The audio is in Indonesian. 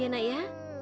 ya nak ya